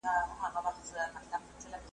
تنها ښه نه یې زه به دي یارسم .